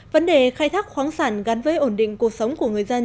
vấn đề khai thác khoáng sản gắn với ổn định cuộc sống của người dân